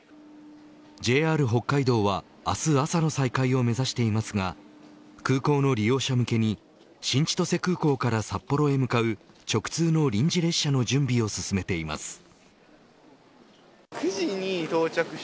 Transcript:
ＪＲ北海道は明日、朝の再開を目指していますが空港の利用者向けに新千歳空港から札幌へ向かう直通の臨時列車の準備を進めています。